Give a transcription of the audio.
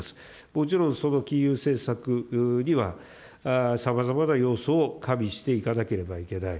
もちろん、その金融政策にはさまざまな要素を加味していかなければいけない。